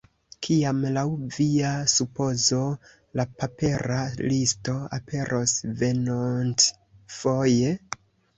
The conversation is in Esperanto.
Kiam laŭ via supozo la papera listo aperos venontfoje?